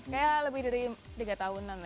kayak lebih dari tiga tahunan